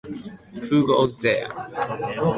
Who Goes There?